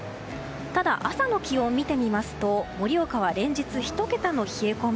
ただ朝の気温を見てみますと盛岡は連日１桁の冷え込み